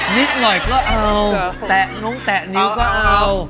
นิดหน่อยก็เอาแตะนิ้วก็เอา